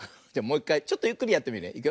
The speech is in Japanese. じゃもういっかいちょっとゆっくりやってみるね。